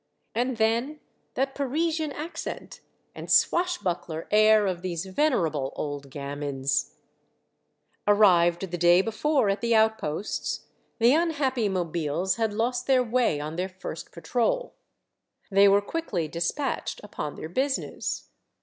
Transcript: And then that Parisian accent and swashbuckler air of these venerable old gamins ! Arrived the day before at the outposts, the un happy mobiles had lost their way on their first patrol. They were quickly despatched upon their business.